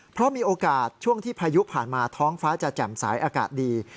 เพราะมีโอกาสช่วงที่พายุผ่านมาท้องฟ้าจะแจ่มสายอากาศดี